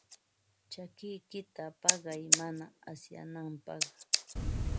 Chakikiyta paqay mana asyananpaq.